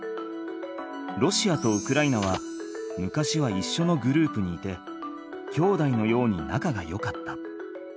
ロシアとウクライナは昔はいっしょのグループにいてきょうだいのようになかがよかった。